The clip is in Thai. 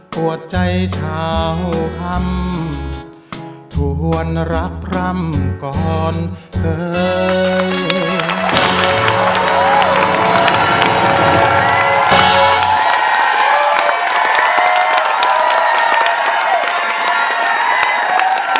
หัวใจชาวคำทวนรักพร่ำก่อนเคย